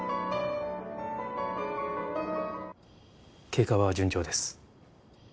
経過は順調です。